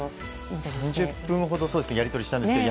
３０分ほどやり取りしたんですけど